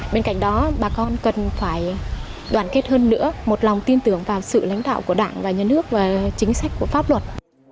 bên cạnh đó bà con cần phải đoàn kết hơn nữa một lòng tin tưởng vào sự lãnh đạo của đảng và nhân ước và chính sách của pháp luật